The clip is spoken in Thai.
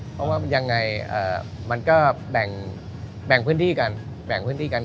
เพราะว่ายังไงมันก็แบ่งพื้นที่กัน